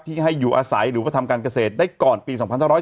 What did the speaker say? ให้อยู่อาศัยหรือว่าทำการเกษตรได้ก่อนปี๒๕๖๒